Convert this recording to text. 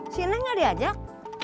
si enek gak diajak